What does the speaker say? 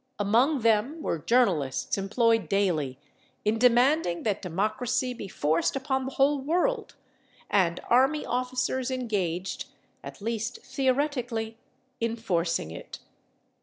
Among them were journalists employed daily in demanding that democracy be forced upon the whole world, and army officers engaged, at least theoretically, in forcing it.